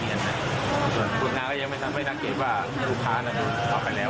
ส่วนคุณน้าก็ยังไม่ทำให้ทักเกรียมว่าผู้พานักลูกออกไปแล้ว